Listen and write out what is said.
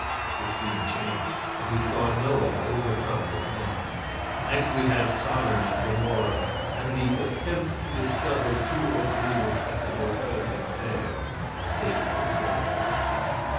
The scene changed, and we saw Noah overcome with wine. Next, we had Sodom and Gomorrah, and "the attempt to discover two or three respectable persons there," as Satan described it.